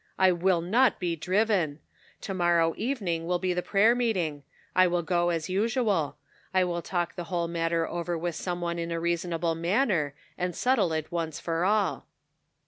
"I will not be driven. To morrow evening will be the prayer meeting ; I will go, as usual ; I will talk the whole matter over with some one in a reasonable manner, and settle it once for all."